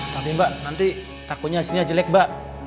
tapi mbak nanti takunya hasilnya jelek mbak